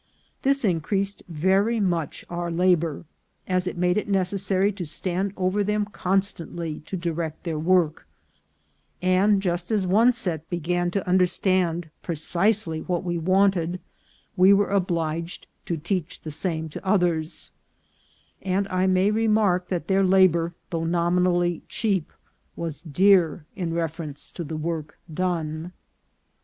This increased very much our labour, as it made it necessary to stand over them constantly to di lect their work; and just as one set began to understand precisely what we wanted, we were obliged to teach the same to others; and I may remark that their labour, though nominally cheap, was dear in reference to the work done.